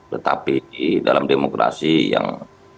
tetapi dalam demokrasi yang